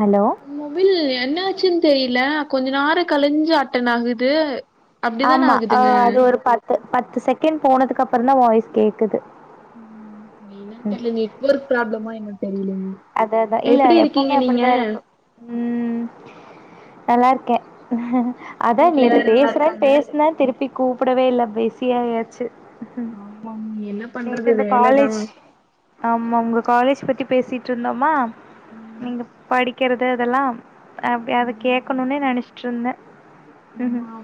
Hello mobile என்னாச்சுன் தெரியில கொஞ்ச நேர கழுஞ்சு அட்டனாகுது ஆமா ஆ அது ஒரு பத்து பத்து செகண்ட் போனதுக்கப்பறந் தா வாய்ஸ் கேக்குது ம் என்னனு ம் தெரில நெட்வொர்க் ப்ராப்ளமா என்னனு தெரிலெங்க அத அதா இல்ல எப்பவுமே அப்டித்தா இருக்கு ம் நல்லாருக்கே அதா வீட்ல நேத்து எல்லாரு நல்லா பேசுறே இருக்காங்க பேசுனே திருப்பி கூப்டவே இல்ல பிஸியாயாச்சு ஆமாங் என்ன பண்றது நேத்து இந்த வேலதா காலேஜ் ஆமா உங்க காலேஜ் பத்தி பேசிட்ருந்தோமா ம் நீங்க படிக்கிறது அதெல்லா அப்டி அத ஆமாங்க. கேக்கணுனே நெனச்சிட்ருந்தே ஆ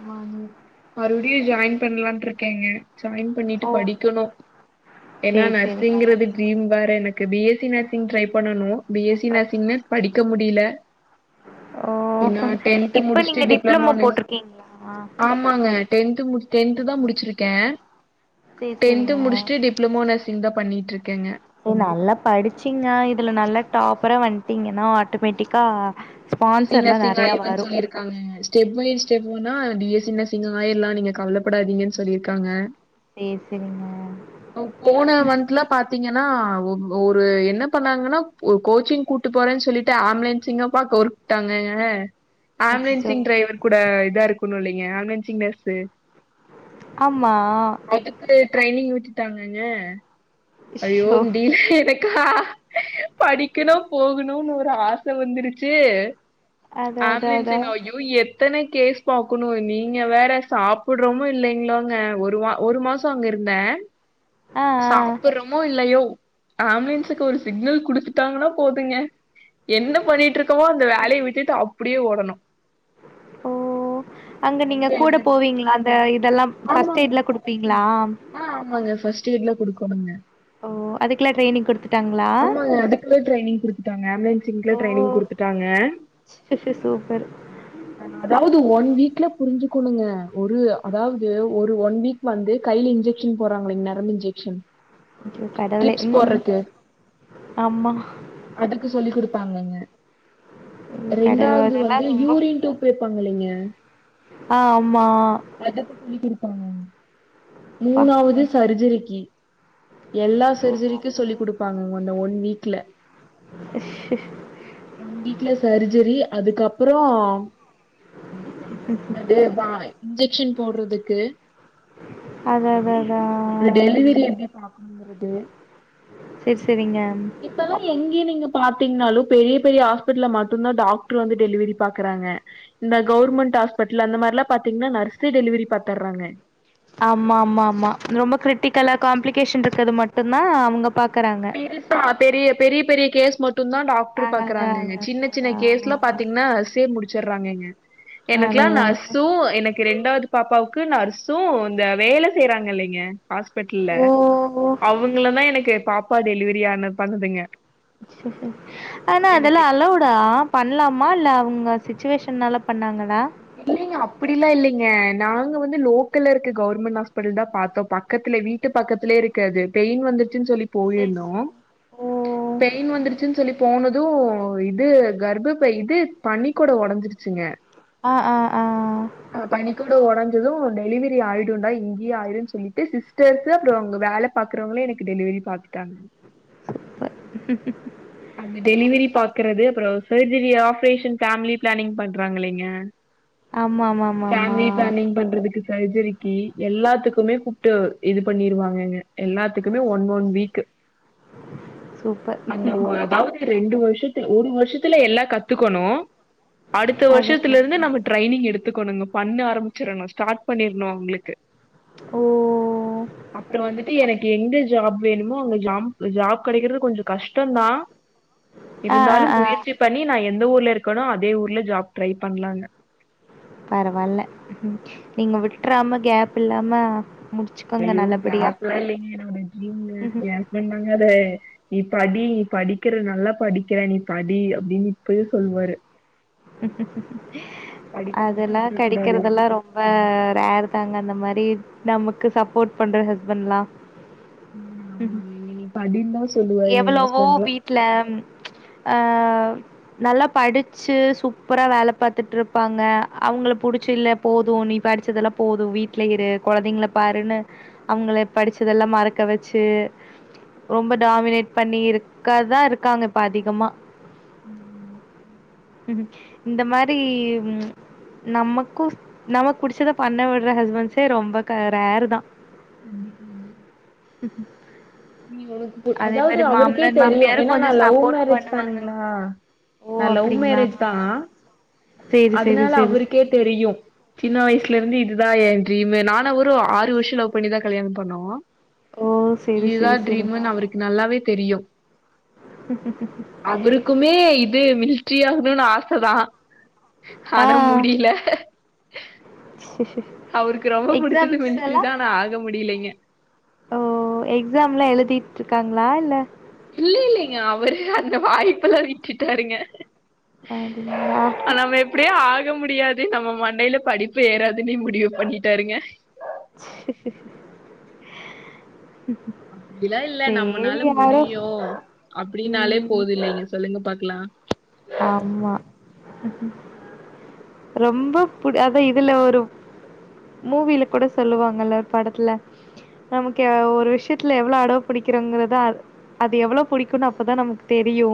மறுவுடியு ஜாயின் பண்ணலான்ருக்கேங்க ஜாயின் பண்ணிட்டு ஓ படிக்கணு ஏன்னா சேரி சேரிங்க நர்சிங்றது ட்ரீம் வேற எனக்கு B S C nursing try பண்ணனு பி எஸ் சி சூப்பர் நர்சிங்ன்னு படிக்க முடில ஓ ஏன்னா டென்த் முடுச்ட்டு டிப்ளமோ னு அப்டீங்ளா ஆமாங்க டென்த் முட் டென்த் தா முடுச்சிருக்கே சேரி டென்த்து சேரிங்க முடுச்ட்டு டிப் ப்ளமோ நர்சிங் தா பண்ணிட்ருக்கேங்க ஏ நல்லா படிச்சீங்னா இதுல நல்லா டாப்பரா வந்ட்டீங்கன்னா ஆட்டோமேட்டிக்கா ஸ்பான்சர்ல்லா நெறைய வரு க்காங்க ஸ்டெப் பை ஸ்டெப் போனா பி எஸ் சி நர்சிங் ஆயர்லா நீங்க கவலப்படாதீங்கன் சொல்லிருக்காங்க சேரி சேரிங்க போன மந்துல பாத்திங்கன்னா ஒரு என்ன பண்ணாங்கன்னா ஒரு கோச்சிங் கூட்டு போறேன்னு சொல்லிட்டு ஆம்புலன்ஸிங்க அப்பா [unintelligible] அச்சச்சோ ஆம்புலன்சிங் டிரைவர் கூட இதா இருக்குனு இல்லெங்கெ ஆம்புலென்சிங் நர்சு ஆம்மா அதுக்கு ட்ரைனிங் விட்டுட்டாங்கங்க ஐயோ ஷோ முடியில எனக் படிக்கணு போகுணுனு ஒரு ஆச வந்துடுச்சு அதா அதா அதா ஆம்புலன்சிங்கா ஐயோ யோ எத்தன கேஸ் பாக்கணு நீங்க வேற சாப்புட்றமோ இல்லைங்ளோங்க ஒரு வா ஒரு மாச சோ அங்க இருந்தே ஆ ஆ சாப்புட்றமோ இல்லையோ ஆம்புலன்ஸுக்கு ஒரு சிக்னல் குடுத்துட்டாங்ன்னா போதுங்க என்ன பண்ணிட்ரு க்கமோ அந்த வேலைய விட்டுட்டு அப்டியே ஓடணு ஓ அங்க நீங்க கூட எமர்ஜென்சி போவீங்ளா அந்த இதெல்லாம் ஃபஸ்ட் ஆமாங்க. எய்ட்லா குடுப்பீங்ளா ஆ ஆமாங்க ஃபஸ்ட் எய்ட்லா குடுக்கோணுங்க ஓ அதுக்கெல்லா ட்ரைனிங் குடுத்துட்டாங்களா ஆமாங்க அதுக்குள்ள டிரைனிங் குடுத்துட்டாங்க ஆம்புலன்சிங்ல்லா ட்ரைனிங் குடுத் ட்டாங்க சூப்பரு அதாவது ஒன் வீக்ல புரிஞ்சுக்கணுங்க ஒரு அதாவது ஒரு ஒன் வீக் வந்து கைல இன்ஜெக்ஷன் போறாங்ளேங் நரம்பு இன்ஜெக்ஷன் ஐயோ கடவுளே ட்ரிப்ஸ் ம் போடுறக்கு. ஆம்மா அதுக்கு சொல்லி குடுப்பாங்கங்க ஐயோ கடவுள் ரெண்டாவது அதெல்லா வந்து ரொம்ப யூரின் டூப் வெப்பாங்க இல்லைங்க ஆ ஆம்மா அதுக்கு சொல்லி் குடுப்பாங்கங்க அப்பா மூணாவது சர்ஜரிக்கு எல்லா சர்ஜரிக்கு சொல்லி் குடுப்பாங்கங் இந்த ஒன் வீக்ல ஒன் வீக்ல சர்ஜரி அதுக்கப்பறோ அது பா இன்ஜெக்ஷன் போட்றதுக்கு அததது அப்றோ டெலிவரி எப்டி பாக்னுங்கறது செரி செரிங்க இப்பலா எங்கே நீங்க பாத்தீங்கன்னாலு பெரிய பெரிய ஹாஸ்பிட்டல்ல மட்டுந்தா டாக்ட்ரு வந்து டெலிவரி பாக்குறாங்க இந்த கவர்மெண்ட் ஹாஸ்பிட்டல் அந்த மாரிலா பாத்தீங்கன்னா நர்ஸே டெலிவரி பாத்தர்றாங்க ஆம்மாம்மாம்மா ரொம்ப கிரிட்டிக்கலா காம்ப்ளிகேஷன் இருக்றது மட்டுந்தா அவுங்க பாக்கறாங் பெருசா பெரிய பெரிய பெரிய கேஸ் மட்டுந்தா டாக்டர் ஆ அதா பாக்குறாங்கங்க அதா சின்ன சின்ன அதா கேஸ்லா பாத்தீங்னா நஸ்சே முடிச்சுறாங்கங்க அதா எனக்கெல்லா அதா நஸ்சு என க்கு ரெண்டாவது பாப்பாவுக்கு நர்ஸு இந்த வேல செய்யறாங்க இல்லைங்க ஹாஸ்பிட்டல்ல ஓ அவுங்கள தா எனக்கு பாப்பா டெலிவரியான பண்ணதுங்க சே சேர் ஆனா அதெல்லா அளோவ்டா பண்லாமா இல்ல அவுங்க சிச்சுவேஷன்னால பண்ணாங்களா இல்லைங்க அப்புடிலா இல்லைங்க நாங்க வந்து லோக்கல்ல இருக்க கவர்மெண்ட் ஹாஸ்பிடல் தா பாத்தோ பக்கத்துல வீ ட்டு பக்கத்துலயே இருக்கது பெயின் வந்துருச்சுன் சொல்லி செரி போயிருந்தோ செரி ஓ பெயின் வந்துருச்சுன் சொல்லி போனது இது கர்ப்ப பை இது பனி கொடோ ஒடஞ்சிருச்சுங்க ஆ ஆ ஆ பனிகொடோ ஒடஞ்சது டெலிவரி ஆயிடுண்டா இங்கேயே ஆயிருன் சொல்லிட்டு சிஸ்டர்சு அப்றோ அங்க வேல பாக்றவங்ளே எனக்கு டெலிவெரி பாத்துட்டாங்கங் அங்க டெலிவெரி பாக்கறது அப்றோ செஜரி ஆப்ரேஷன் ஃபேம்லி பிளானிங் பண்றாங் இல்லைங்க ஆமாமாமாமா ஃபேம்லி பிளானிங் பண்றதுக்கு சர்ஜரிக்கு எல்லாத்துக்குமே கூப்ட்டு இது பண்ணிருவாங்கங்க எல்லாத்துக்குமே ஒன் ஒன் வீக்கு சூப்பர் இப் அதாவது ரெண்டு வருஷத்துல ஒரு வருஷத்துல எல்லா கத்துக்கணு அடுத்த அது வருஷத்துல இருந்து நம்ம ட்ரைனிங் எடுத்துக்கணுங்க பண்ண ஆரம்பிச்சிரணு ஸ்டாட் பண்ணிர்ணு அவுங்ளுக்கு ஓ! அப்றோ வந்துட்டு எனக்கு எங்கே ஜாப் வேணுமோ அங்க ஜாம் ஜாப் கெடக்கிறது கொஞ்ச கஷ்டந்தா ஆ, ஆ, இருந்தாலு ஆ. முயற்சி பண்ணி நா எந்த ஊர்ல இருக்கனோ அதே ஊர்ல ஜாப் ட்ரை பண்லான்ன பரவால்ல நீங்க விட்றாம கேப் இல்லாம முடி ஐயோ கேப்லா இல்லைங்க என்னோட ட்ரீம்ங்க ம்ஹும். கேப் எல்லா கெடையா நீ படி நீ படிக்கிற நல்லா படிக்கிற நீ படி அப்டின்னு இப்பயு சொல்லுவாரு படிப்ப மட்டு அதெல்லா விட்ற கூடாது இல்லைங்க கெடைக்கிறதெல்லா ரொம் ப ரேரு தாங்க அந்த மாரி நமக்கு சப்போர்ட் பண்ற ஹஸ்பண்ட்லா உம் படின்தாங்க சொ எவ்வளவோ வீட்டுல அ நல்லா படிச்சு சூப்பரா வேல பாத்துட்டு இருப்பாங்க அவுங்கள புடிச்சு இல்ல போது நீ படிச்சதெல்லா போது வீட்ல இரு கொழந்தைங்கள பாருன்னு அவுங்கள படிச்சதெல்லா மறக்க வச்சு ரொம்ப டாமினேட் பண்ணி இருக்காதா இருக்காங்க இப்ப அதிகமா ம் ம் இந்த மாரி நமக்கு நம்மக் புடிச்சத பண்ண விட்ற ஹஸ்பண்ட்ஸே ரொம்ப ரேரு தா கண்டிப்பாங்க உம் நீ உனக்கு அதாவது அவருக்கே மாமனார் தெரியு மாமியாரு ஏன்னா நா கொஞ்சோ லவ்வ சப்போர்ட் மேரேஜ் பண்ணுவாங்க தானுங்களா ஓ நா லவ் அப்டிங்களா மேரேஜ் தா சேரி சேரி அதனால சேர் அவருக்கே தெரியு சின்ன வயசுல இருந்து இதுதா எ ட்ரீமு நா னு அவரு ஆறு வருஷ லவ் பண்ணிதா கல்யாண பண்ணோ ஓ செரி செரி ட்ரீமுனு அவருக்கு நல்லாவே தெரியு அவருக்குமே இது மில்ட்ரி ஆகணுனு ஆச தா ஆ ஆனா மு டில அவுருக்கு ரொம்ப புடிச்சது எக்ஸாம்ஸ் மில்ட்ரி எல்லா தா ஆனா ஆக முடிலைங்க ஓ எக்ஸாம்லா எழுதிட்ருக்காங்ளா இல்ல இல்லில்லிங்க அவரு அந்த வாய்ப்பெல்லா விட்டுட்டாருங்க அடிங்ளா அப்டியே ஆக முடியாது நம்ம மண்டைல படிப்பு ஏறாதுன்னே முடிவு பண்ணிட்டாருங்க அப்டிலா இல்ல நம்மனால சேரி யாரோ முடியு அப்டின்னாலே ம் போது இல்லைங்க சொல்லுங்க பாக்கலா ஆமா ரொம்ப புடி அதா இதுல ஒரு மூவில கூட சொல்லுவாங்கல்ல ஒரு படத்துல நமக்கு ஒரு விஷ்யத்துல எவ்ளோ அட புடிக்றோங்கிறதா அது அது எவ்வளோ புடிக்கும்னு அப்பதா நமக்கு தெரியு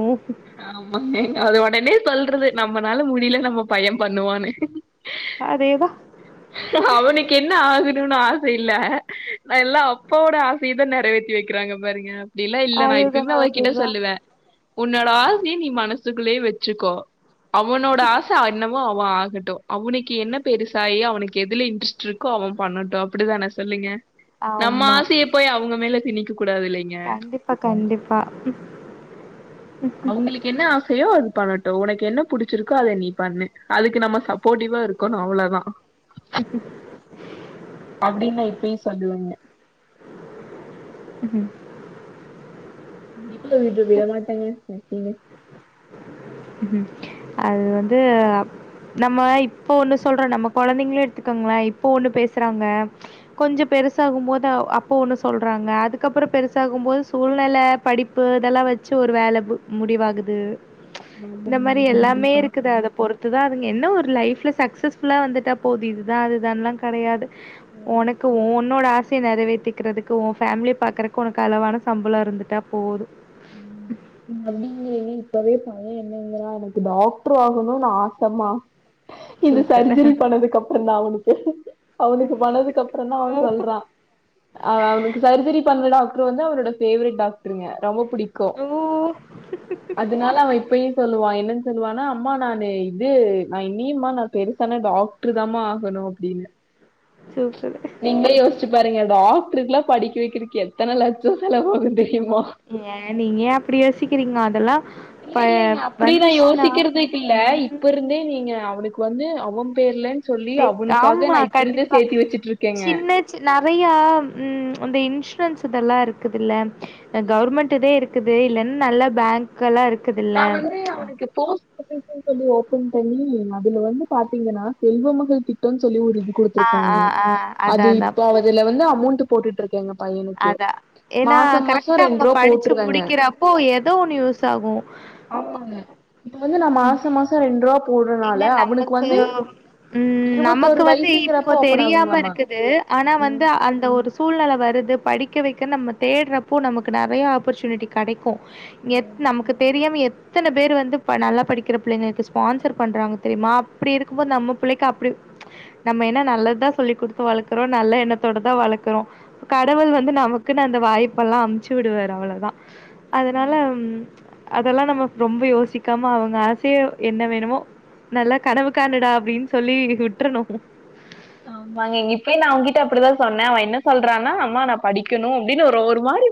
ஆமாங்க அது ஒடனே சொல்றது நம்மனால முடியல நம்ம பைய பண்ணுவான்னு அதேதா அவனுக்கு என்ன ஆகணும்னு ஆச இல்ல நான் எல்லா அப்பாவோட ஆசயதான் நிறைவேத்தி வைக்கிறாங்க பாருங்க அப்டிலாம் இல்ல நான் அதுதா எப்பயுமே அவர்கிட்ட அதுதா சொல்லுவே உன்னோட ஆசய நீ மனசுக்குள்ளேயே வச்சுக்கோ அவனோட ஆச என்ன மோ அவன் ஆகட்டும் அவனுக்கு என்ன பெருசாய் அவன் அவனுக்கு எதுல இன்ட்ரெஸ்ட் இருக்கோ அவன் பண்ணட்டும் அப்டிதான சொல்லுங்க நம்ம ஆமா ஆசை போய் அவங்க மேல தினிக்க கூடாது இல்லைங்க கண்டிப்பா கண்டிப்பா ம் அவுங்களுக் என்ன ஆசையோ அது பண்ணட்டும் உனக்கு என்ன புடிச்சிருக்கோ அதை நீ பண்ணு அதுக்கு நம்ம சப்போடிவா இருக் கனும் அவ்ளோ தான் அப்டின்னு இப்பயும் சொல்லுவீங்க [inaudible] ம் அது வந்து நம்ம இப்ப ஒண்ணு சொல்றோம் நம்ம குழந்தைங்களும் எடுத்துக்கோங்களே இப்ப ஒண்ணு பேசுறாங்க கொஞ்சம் பெருசாகும் போது அப்போ ஒன்னு சொல்றாங்க அதுக்கப்பறம் பெருசாகும் போது சூழ்நிலை படிப்பு இதெல்லாம் வச்சு ஒரு வேல முடிவாகுது இந்த ஆமாங்க மாரி எல்லாமே கண்டிப்பா இருக்குது அத பொறுத் அதுதான் அதுங்க என்ன ஒரு லைப்ல சக்சஸ் ஃபுல்லா வந்துட்டா போகுது இதுதான் அதுதான்ல்லாம் கிடையாது ம் உனக்கு உன்னோட ஆச நிறைவேத்திக்கிறதுக்கு உ ஃபேமிலி பாக்குறக்கு உனக்கு அளவான சம்பளம் இருந்துட்டா போதும் அப்டிங்கிறேன்ன இப்பவே பையே என்னங்கன்னா எனக்கு டாக்டர் ஆகணும் நான் ஆசம்மா இந்த சூப்பர் சர்ஜரி பண்ணதுக்கு அப்பறம் தான் அவனுக்கு அவனுக்கு பண்ணதுக்கு அப்பறம் தான் அவன் ஓ சொல்றா அவன் அவனுக்கு சர்ஜரி பண்ணற டாக்டர் வந்து அவனோட பேவேரைட் டாக்டருங்க ரொம்ப புடிக்கு அ ஓ அதனால அவன் இப்பயும் சொல்லுவான் என்னன்னு சொல்லுவானா அம்மா நான் இது நான் இனியம்மா நான் பெருசானா டாக் டருதாம்மா ஆகணும் அப்டின்னு சூப்பரு நீங்களே யோசிச்சு பாருங்க டாக்டருக்கு எல்லாம் படிக்க வைக்கிறக்கு எத்தனை லட்சம் செலவாகு தெரியுமா ஏன் நீங்க ஏன் அப்டி யோசிக்கிறீங்க அதெல்லா இல்ல ப இல்லைங்க அப்டி நான் வந்துச்சுன்னா யோசிக்கறதுக்கு இல்ல இப்ப இருந்தே ம் நீங்க அவனுக்கு வந்து அவன் பேர்லன்னு சொல்லி சேஃப் அவனுக்காக ஆமா நான் இப்ப இருந்தே சேர்த்தி வச்சிட்டு இருக்கேங்க நறையா இந்த இன்சூரன்ஸ் இதெல்லாம் இருக்குதுல்ல கவர்மெண்ட் இதே இருக் இருக்குது இல்லலைன்னு நல்ல பேங்க் எல்லாம் இருக்குது இல்ல ஏ அவனுக்கு போஸ் அப்ளிகேஷன் சொல்லி ஓபன் பண்ணி அதுல வந்து பாத்தீங்கன்னா செல்வ மகள் திட்டம்னு சொல்லி ஒரு இது ஆ ஆ குடுத்துருக்காங்கலே ஆ அதா அது அதா இப்ப அதுல வந்து அமௌண்ட் போட்டுட்ருக் எங்க பையனுக்கு அதா ஏன்னா மாசோ மாசோ ரெண்டு ரூபா போட்டுருவங்க இப்போ ஏதோ ஒண்ணு யூஸ் ஆகும் ஆமாங்க இப்ப வந்து நான் மாச மாசோ ரெண்டு ரூபா எங்க போடுறனால அவனுக்கு நமக்கு வந்து ம் இருவோத்தோரு வயசுங்கிறப்ப ஓபன் ஆகுங்களாமா து ஆனா வந்து ம் அந்த ஒரு சூழ்நிலை வருது படிக்க வைக்க நம்ம தேடுறப்போ நமக்கு நிறையா ஆப்பர்ச்சுனிட்டி கடைக்கும் எ நமக்கு தெரியாம எத்தனை பேர் வந்து நல்லா படிக்கிற பிள்ளைங்களுக்கு ஸ்பான்சர் பண்றாங்க தெரியுமா அப்டி இருக்கும் போது நம்ம பிள்ளைக் அப்டி நம்ம என்ன நல்லதுதா சொல்லி குடுத்து வளக்குறோ நல்ல எண்ணத்தோடதா வளக்கறோ கடவுள் வந்து நமக்குன் அந்த வாய்ப்பெல்லா அமுச்சு விடுவாரு அவ்ளதா அதனால அதெல்லா நமக் ரொம்ப யோசிக்காம அவுங்க ஆசயு என்ன வேணுமோ நல்லா கனவுக்கானுடா அப்டின் சொல்லி வுட்றணு நாங்க இங்க இப்டினு நா உங்கிட்ட அப்டிதா சொன்னே அவ என்ன சொல்றானா அம்மா நா படிக்கணு அப்டினு ஒரு ஒரு மாரி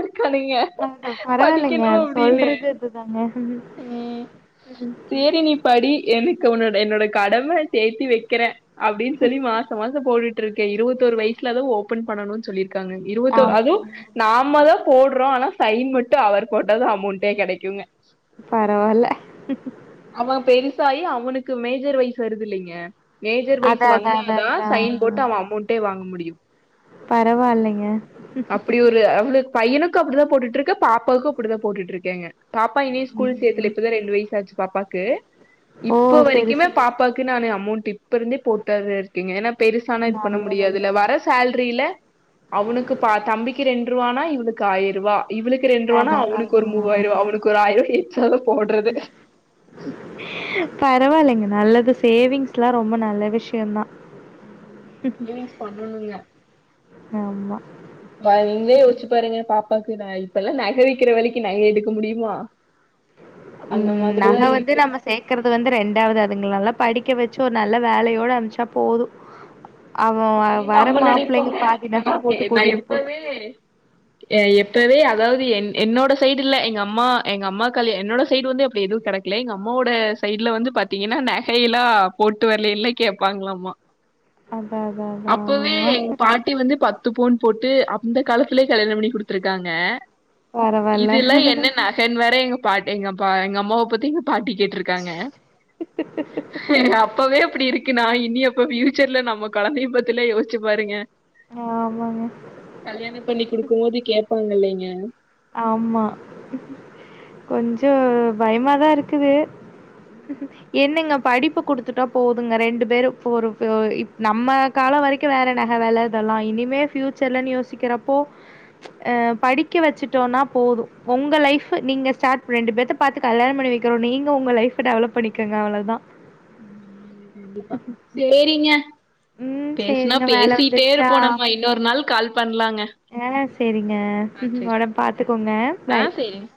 [unintelligible] அத பரவாயில்லங்க படிக்கணு அத அப்டின்னு சொல்றது இதுதாங்க த்தி நீ படி எனக்கு உன்னோட என்னோட கடம சேத்தி வெக்கறே அப்டின் சொல்லி மாச மாச போட்டுட்ருக்கே இருவத்தோரு வயசுலாதா ஓபன் பண்ணணுன் சொல்லிருக்காங்க இருவத்தோ ஆம் அது நாம தா போட்றோ ஆனா சைன் மட்டு அவர் போட்டாதா அமௌண்டே கெடைக்குங்க பரவால்ல அவ பெருசாயி அவனுக்கு மேஜர் வயசு வருது இல்லிங்க மேஜர் வைஸ் அதா அதா அதா வந்தாதா அதா சைன் போட்டு அவ அமௌண்டே வாங்க முடியு பரவால்லங்க து அவளுக் பையனுக்கு அப்டிதா போட்டுட்ருக்க பாப்பாவுக்கு அப்டித்தா போட்டுட்ருக்கேங்க பாப்பா இனியு ஸ்கூல் சேத்துல ம் இப்பதா ரெண்டு வயசு ஆச்சு பாப்பாக்கு ஓ இப்ப செரி வரைக்குமே செரி பாப் ப்பாக்கு நானே அமௌண்ட் இப்ப இருந்தே போட்டேதா இருக்கீங்க ஏனா பெருசானா இது பண்ண முடியாதுல வர சேல்ரியில அவனுக்கு பா தம்பிக்கு ரெண்று ரூவானா இவனுக்கு ஆயர் ரூவா இவளுக்கு ரெண்டு ரூவானா அவனுக்கு ஒரு மூவாயர் ரூவா அவனுக் ஒரு ஆயர் ரூவா எச்சாதா போட்றது பரவாயில்லங் நல்லது சேவிங்ஸ்ல்லா ரொம்ப நல்லது விஷ்யந்தா சேவிங்ஸ் பண்ணணுங்க ஆம்மா இப்ப நீங்களே யோசிச்சு பாருங்க பாப்பாக்கு நா இப்பெல்லா நகவிக்கிற வெலைக்கு நகை எடுக்க முடியுமா அந்த ம் மாதிரிதா நக வந்து இருக்கு நம்ம சேக்கறது வந்து ரெண்டாவது அதுங்கலெல்லா படிக்க வெச்சு ஒரு நல்ல வேலையோட அனுப்ச்சா போது அவ அப்டின்னு வர நம்ம மாப்ளங்க பாதி நக போட்டு கூட்டிட்டு போட்டு தே இப்பவே அதாவது என் என்னோட சைடுல்ல எங்க அம்மா எங்க அம்மா கல்யா என்னோட சைடு வந்து அப்டி எதும் கெட இல்ல எங்க அம்மாவோட சைடுல வந்து பாத்தீங்கன்னா நகையல்லா போட்டு வரலேன்ல கேப்பாங்களாம்மா அதான் அதான் அப்பவே அதான். எங் பாட் ட்டி வந்து பத்து போன் போட்டு அந்த காலத்துலே கல்யாண பண்ணி குடுத்துருக்காங்க பரவால்ல. இதுல்லா என்ன நகன் வேற எங்க பாட்டி எங்கப்ப எங்க அம்மாவ பத்தி பாட்டி கேட்டுருக்காங்க எங்க அப்பவே அப்டி இருக் க்குனா நா இனி அப்ப பியூச்சர்ல நம்ம கொழந்தைய பத்திலா யோசிச்சு பாருங்க ஆமாங்க கல்யாண பண்ணி குடுக்கும் போது கேப்பாங்க இல்லேங்க ஆம்மா கொஞ்சோ பயமாதா இருக்குது என்னங்க படிப்பு குடுத்துட்டா போதுங்க ரெண்டு பேரு போரு போ இப் நம்ம கால வரைக்கு வேற நக வெல இதெல்லா இனிமே பியூச்சர்ல யோசிக்கறப்போ அ படிக்க வெச்சுட் டோனா போது உங்க லைஃப்ஃபு நீங்க ஸ்டார்ட் ரெண்டு பேத்த பாத்து கல்யாண பண்ணி வைக்கிறோ நீங்க உங்க லைஃப் டெவலப் பண்ணிக்கங்க அவ்ளதா ம் ஆமாங்க கண்டிப்பா சேரிங்க ம். பேசுனா சரிங்க வேல பேசிட்டே வந்துருச்சா? இருப்போனம்மா இன்னொரு நாள் கால் பண்ணலாங்க ஆ சேரிங்க வொடம்பு பாத்துக்கோங்க ஆ பாய் சேரிங்.